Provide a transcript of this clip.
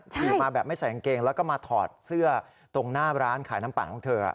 ขี่มาแบบไม่ใส่กางเกงแล้วก็มาถอดเสื้อตรงหน้าร้านขายน้ำปั่นของเธอ